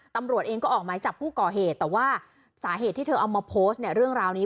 ตำรวจเองก็ออกหมายจับผู้ก่อเหตุแต่ว่าสาเหตุที่เธอเอามาโพสต์เนี่ยเรื่องราวนี้